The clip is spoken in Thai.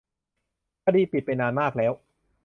คดีปิดไปนานมากแล้ว